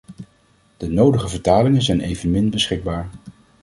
De nodige vertalingen zijn evenmin beschikbaar.